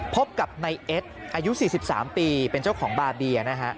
พบกับนายเอ็ดอายุ๔๓ปีเป็นเจ้าของบาเบียนะฮะ